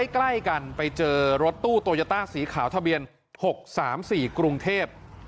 ใกล้กันไปเจอรถตู้โตโยต้าสีขาวทะเบียน๖๓๔กรุงเทพ